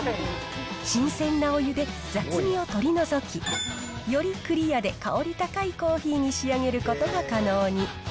新鮮なお湯で雑味を取り除き、よりクリアで香り高いコーヒーに仕上げることが可能に。